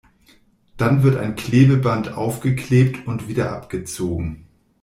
Dann wird ein Klebeband aufgeklebt und wieder abgezogen.